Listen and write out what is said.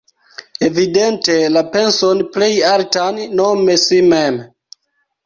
Evidente la penson plej altan, nome si mem.